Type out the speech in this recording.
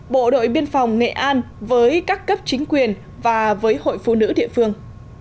bộ đội biên phòng nghệ an với các cấp chính quyền và với hội phụ nữ địa phương